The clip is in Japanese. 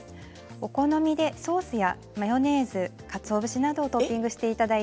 お好みでソースやマヨネーズかつお節などをトッピングしていただいて完成です。